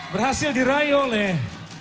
berhasil diraih oleh